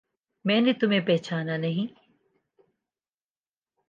میں نے تمہیں پہچانا نہیں